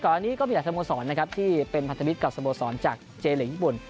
ก่อนอันนี้ก็มีหลายสโมสรที่เป็นพันธมิตรกับสโมสรจากเจนหรือญี่ปุ่น